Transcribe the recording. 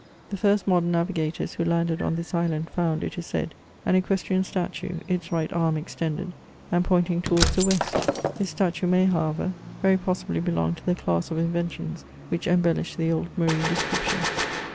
The first modern navigators who landed on this island found, it is said, an equestrian statue, its right arm extended, and pointing towards the west ; this statue may, however, very possibly belong to the class of inventions which embellish the old marine descriptions.